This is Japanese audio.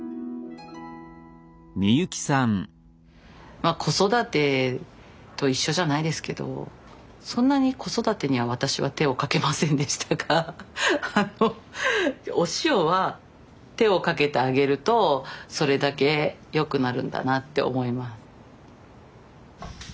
まあ子育てと一緒じゃないですけどそんなに子育てには私は手をかけませんでしたがお塩は手をかけてあげるとそれだけ良くなるんだなって思います。